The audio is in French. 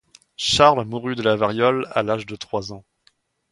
Charles mourut de la variole à l'âge de trois ans.